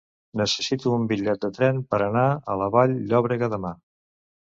Necessito un bitllet de tren per anar a Vall-llobrega demà.